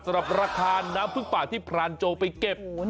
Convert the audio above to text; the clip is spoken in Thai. ราคาน้ำพึ่งป่าที่พรานโจไปเก็บ